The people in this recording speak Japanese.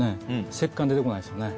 石棺出てこないですよね。